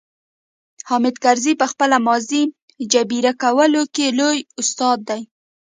حامد کرزي په خپله ماضي جبيره کولو کې لوی استاد دی.